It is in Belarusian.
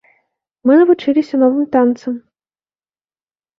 Мы навучыліся новым танцам.